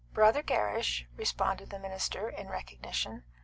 "Brother Gerrish," responded the minister, in recognition.